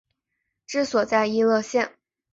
治所在溢乐县。